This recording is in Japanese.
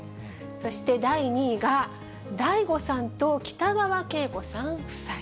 そして第２位が、ＤＡＩＧＯさんと北川景子さん夫妻。